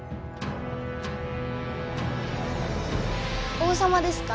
王様ですか？